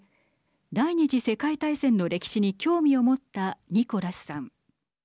第２次世界大戦の歴史に興味を持ったニコラスさん。